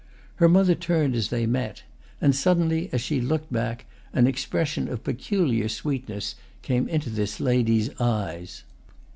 Her mother turned as they met, and suddenly, as she looked back, an expression of peculiar sweetness came into this lady's eyes.